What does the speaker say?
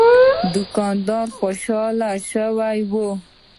دوکاندار خوشاله شوی و.